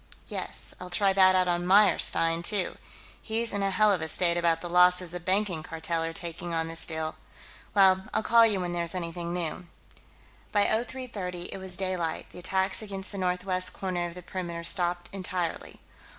"Yes, I'll try that out on Meyerstein, too. He's in a hell of a state about the losses the Banking Cartel are taking on this deal.... Well, I'll call you when there's anything new." By 0330, it was daylight; the attacks against the northwest corner of the perimeter stopped entirely.